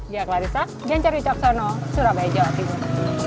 jaga risa janceri capsono surabaya jawa timur